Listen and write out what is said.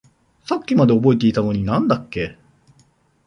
さっきまで覚えていたのに何だっけ？